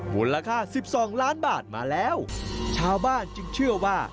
บุลค่า๑๒ล้านบาทมาแล้วชาวบ้านจึงเชื่อว่า